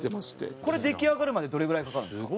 これ出来上がるまでどれぐらいかかるんですか？